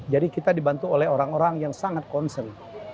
jadi kita dibantu oleh orang orang yang sangat concern